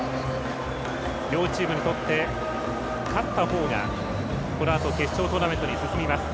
両チームにとって勝ったほうが、このあと決勝トーナメントに進みます。